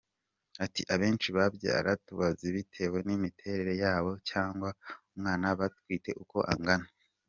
Ati “Abenshi babyara tubabaze bitewe n’imiterere yabo cyangwa umwana batwite uko angana.